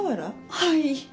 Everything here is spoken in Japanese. はい。